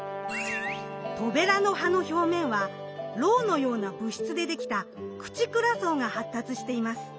トベラの葉の表面はロウのような物質でできた「クチクラ層」が発達しています。